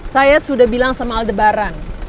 saya sudah bilang sama aldebaran